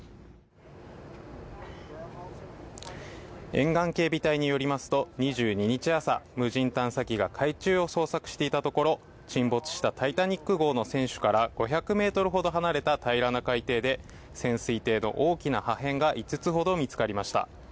沿岸警備隊によりますと、２２日朝、無人探査機が海中を捜索していたところ、沈没したタイタニック号の船首から５００ｍほど離れた平らな海底で、潜水艇の大きな破片が５つほど見つかりました。